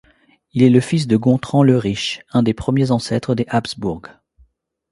Il est le fils de Gontran le Riche, un des premiers ancêtres des Habsbourg.